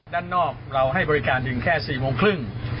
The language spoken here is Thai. ด้านนอกเราให้บริการเพียงแค่๔โมงครึ่ง